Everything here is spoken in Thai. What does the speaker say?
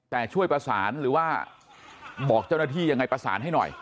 แต่ช่วยประสานหรือว่าบอกเจ้าหน้าที่ยังไงประสานให้หน่อย